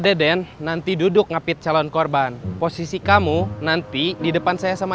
karena dia sudah berjalan ke rumah dengan keadaan yang sama